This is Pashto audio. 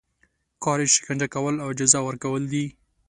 کار یې شکنجه کول او جزا ورکول دي.